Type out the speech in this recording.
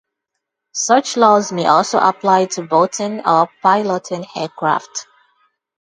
Such laws may also apply to boating or piloting aircraft.